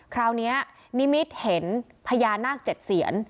คราวนี้นิมิตเห็นพญานาค๗เสียน